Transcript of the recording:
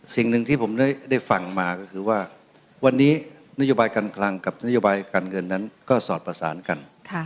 สิ่งหนึ่งที่ผมได้ฟังมาก็คือว่าวันนี้นโยบายการคลังกับนโยบายการเงินนั้นก็สอดประสานกัน